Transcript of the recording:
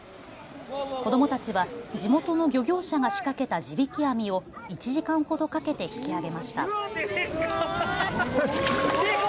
子どもたちは地元の漁業者が仕掛けた地引き網を１時間ほどかけて引き上げました。